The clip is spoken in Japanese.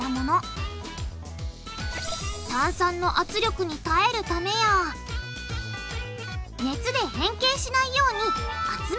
炭酸の圧力に耐えるためや熱で変形しないように厚めにできている。